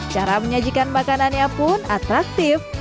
cara menyajikan makanannya pun atraktif